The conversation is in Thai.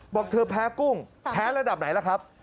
บอกเธอแพ้กุ้งแพ้ระดับไหนล่ะครับ